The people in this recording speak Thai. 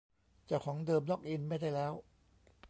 เจ้าของเดิมล็อกอินไม่ได้แล้ว